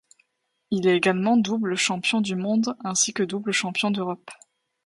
Il est également double champion du monde ainsi que double champion d'Europe.